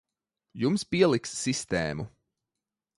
Jums pieliks sistēmu.